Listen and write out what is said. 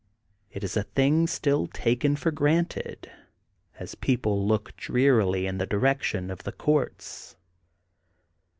It is a thing still taken for granted, as people look drearily in the direction of the courts.